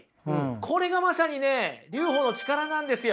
これがまさにね留保の力なんですよ。